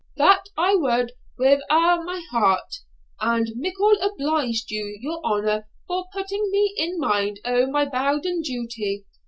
'That I wad wi' a' my heart; and mickle obliged to your honour for putting me in mind o' mybounden duty.